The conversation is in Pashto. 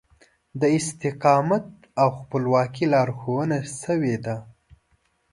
د استقامت او خپلواکي لارښوونه شوې ده.